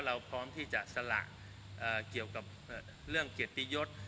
เราพร้อมที่จะสละเกี่ยวกับเรื่องเกียรติยศ